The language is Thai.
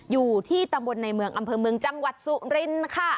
อยู่ที่ตำบลในเมืองอำเภอเมืองจังหวัดสุรินทร์ค่ะ